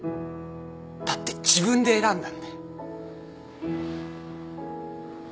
だって自分で選んだんだよ。